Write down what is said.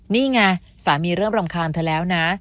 นี่ไงสามีเริ่มรำคาญเธอแล้วนะ